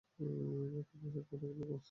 খাকি পোশাক পরা এক লোক নিয়ে এসেছে।